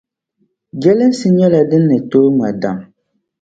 Jɛlinsi nyɛla din nitooi ŋma daŋ.